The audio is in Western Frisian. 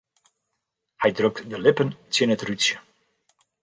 Hy drukt de lippen tsjin it rútsje.